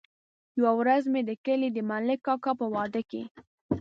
يوه ورځ مې د کلي د ملک کاکا په واده کې.